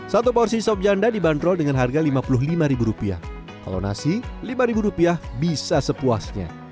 satu porsi sobjanda dibanderol dengan harga lima puluh lima rupiah kalau nasi lima ribu rupiah bisa sepuasnya